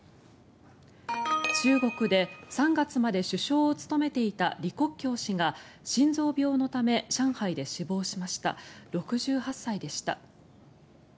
中国で３月まで首相を務めていた李克強氏が心臓病のため上海で死亡しました６８歳でした。